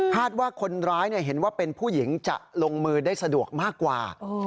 ว่าคนร้ายเห็นว่าเป็นผู้หญิงจะลงมือได้สะดวกมากกว่า